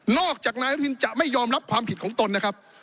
จากนายรุนจะไม่ยอมรับความผิดของตนนะครับ